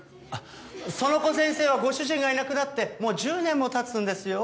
その子先生はご主人がいなくなってもう１０年も経つんですよ。